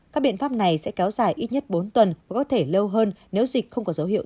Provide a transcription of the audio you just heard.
các biện pháp này sẽ kéo dài ít nhất bốn tuần và có thể lâu hơn nếu dịch không có dấu hiệu